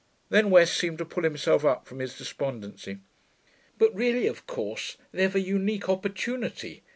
Then West seemed to pull himself up from his despondency. 'But really, of course, they've a unique opportunity.